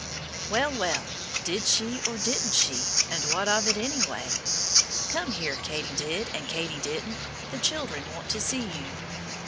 Well, well, did she or didn't she, and what of it anyway. Come here, Katy did and Katy didn't, the children want to see you.